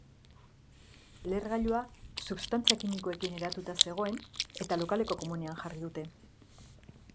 Lehergailua substantzia kimikoekin eratuta zegoen eta lokaleko komunean jarri dute.